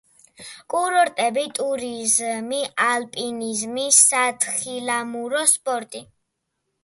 კურორტები, ტურიზმი, ალპინიზმი, სათხილამურო სპორტი.